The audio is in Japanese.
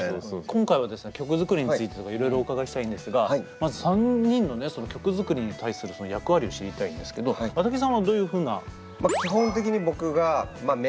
今回はですね曲作りについてとかいろいろお伺いしたいんですがまず３人の曲作りに対する役割を知りたいんですけどａｔａｇｉさんはどういうふうな？